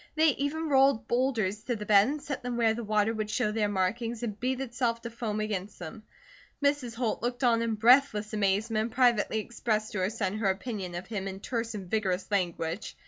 They even rolled boulders to the bed and set them where the water would show their markings and beat itself to foam against them. Mrs. Holt looked on in breathless amazement and privately expressed to her son her opinion of him in terse and vigorous language.